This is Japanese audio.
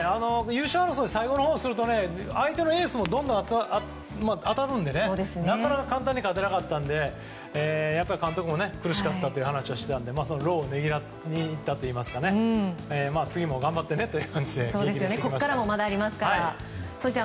優勝争い最後のほうにすると相手のエースに当たるのでなかなか簡単に勝てなかったので監督も苦しかったという話をしていたので労をねぎらいに行ったといいますか次も頑張ってねと言いました。